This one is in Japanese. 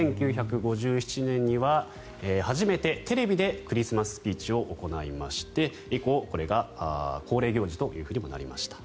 １９５７年には初めてテレビでクリスマススピーチを行いまして以降、これが恒例行事となりました。